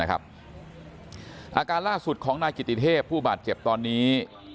อาการล่าสุดของนายกิติเทพผู้บาดเจ็บตอนนี้